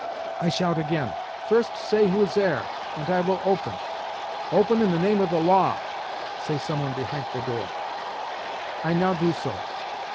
I shout again, 'First say who is zere, ant I will open.' 'Open in the name of the law!' say the someone behint the door. I now do so.